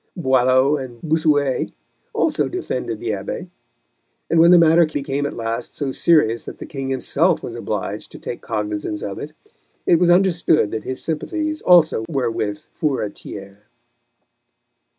Boileau and Bossuet also defended the Abbé, and when the matter became at last so serious that the King himself was obliged to take cognisance of it, it was understood that his sympathies also were with Furetière.